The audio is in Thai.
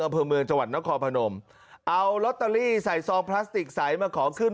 อำเภอเมืองจังหวัดนครพนมเอาลอตเตอรี่ใส่ซองพลาสติกใสมาขอขึ้น